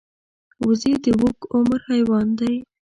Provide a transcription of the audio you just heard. وزې د اوږد عمر حیوان دی